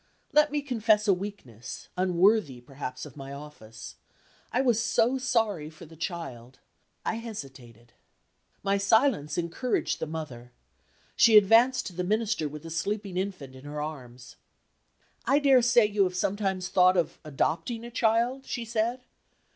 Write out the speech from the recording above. Let me confess a weakness, unworthy perhaps of my office. I was so sorry for the child I hesitated. My silence encouraged the mother. She advanced to the Minister with the sleeping infant in her arms. "I daresay you have sometimes thought of adopting a child?" she said.